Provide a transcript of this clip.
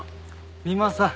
三馬さん